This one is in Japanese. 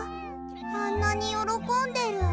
あんなによろこんでる。